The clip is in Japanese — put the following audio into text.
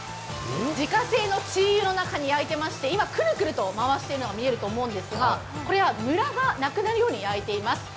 自家製の鶏油の中で焼いてまして、今、くるくると回しているのが見えると思うんですが、これはムラがなくなるように焼いています。